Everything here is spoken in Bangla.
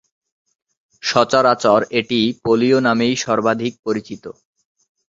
সচরাচর এটি পোলিও নামেই সর্বাধিক পরিচিত।